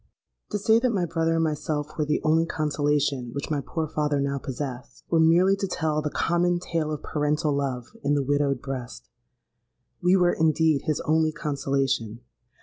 "To say that my brother and myself were the only consolation which my poor father now possessed, were merely to tell the common tale of parental love in the widowed breast. We were indeed his only consolation!